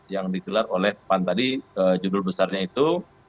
yang dikelar oleh pan tadi judul besarnya itu